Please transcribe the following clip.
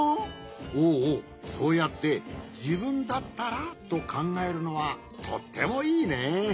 おおそうやって「じぶんだったら」とかんがえるのはとってもいいね。